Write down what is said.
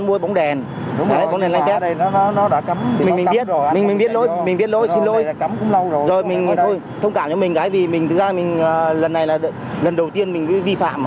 rồi mình thôi thông cảm cho mình cái vì mình thực ra lần này là lần đầu tiên mình vi phạm